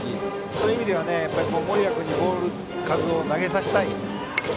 そういう意味では森谷君にボール数を投げさせたい。